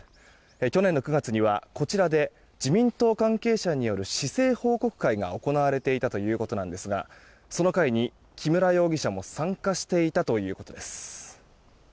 去年の９月には、こちらで自民党関係者による市政報告会が行われていたということですがその会に木村容疑者も参加していたということです。